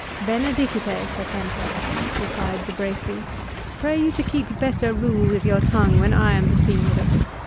"Benedicite, Sir Templar," replied De Bracy, "pray you to keep better rule with your tongue when I am the theme of it.